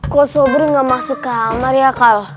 kok sobri nggak masuk kamar ya kal